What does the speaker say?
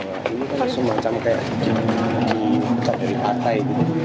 ini kan langsung macam kayak di partai